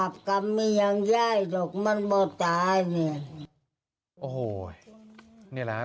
พ่อไปฟังหน่อยครับ